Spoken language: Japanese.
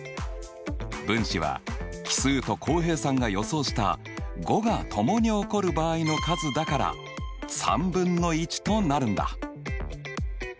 分子は奇数と浩平さんが予想した５がともに起こる場合の数だから３分の１となるんだ。